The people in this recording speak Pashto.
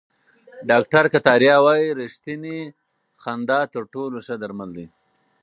ډاکټر کتاریا وايي ریښتینې خندا تر ټولو ښه درمل دي.